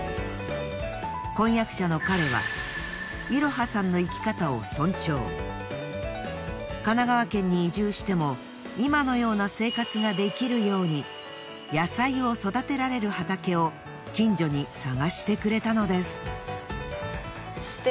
婚約者の彼はいろはさんの神奈川県に移住しても今のような生活ができるように野菜を育てられる畑を近所に探してくれたのです。